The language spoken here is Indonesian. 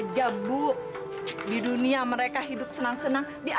sampai jumpa di video selanjutnya